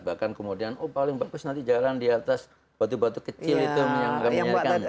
bahkan kemudian oh paling bagus nanti jalan di atas batu batu kecil itu yang akan menjadikan